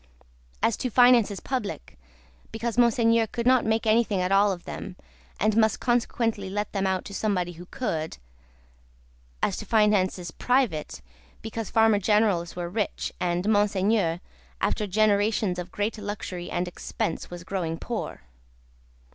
As to finances public, because Monseigneur could not make anything at all of them, and must consequently let them out to somebody who could; as to finances private, because Farmer Generals were rich, and Monseigneur, after generations of great luxury and expense, was growing poor.